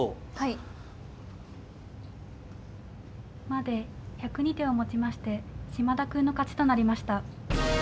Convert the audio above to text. まで１０２手をもちまして嶋田くんの勝ちとなりました。